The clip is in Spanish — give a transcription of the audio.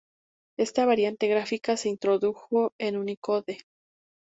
Esta variante gráfica se introdujo en Unicode.